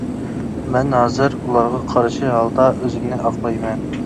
مەن ھازىر ئۇلارغا قارشى ھالدا ئۆزۈمنى ئاقلايمەن.